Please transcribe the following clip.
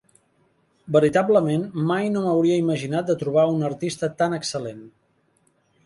Veritablement mai no m'hauria imaginat de trobar un artista tan excel·lent.